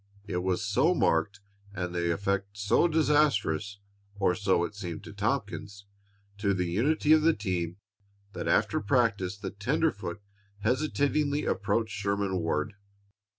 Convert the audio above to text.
It was so marked, and the effect so disastrous, or so it seemed to Tompkins, to the unity of the team, that after practice the tenderfoot hesitatingly approached Sherman Ward.